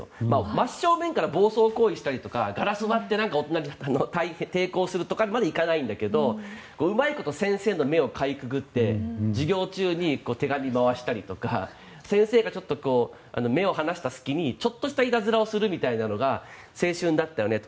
真正面から暴走行為をしたりとかガラスを割って抵抗するとかまではいかないんだけどうまいこと先生の目をかいくぐって授業中に手紙を回したりとか先生がちょっと目を離した隙にちょっとしたいたずらをするみたいなのが青春だったよねって。